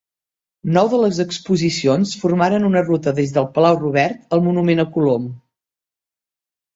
Nou de les exposicions formaren una ruta des del Palau Robert al monument a Colom.